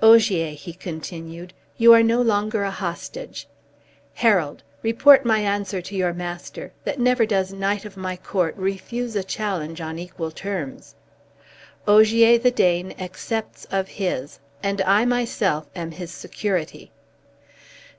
Ogier," he continued, "you are no longer a hostage. Herald! report my answer to your master, that never does knight of my court refuse a challenge on equal terms. Ogier, the Dane, accepts of his, and I myself am his security."